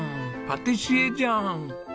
パティシエじゃん。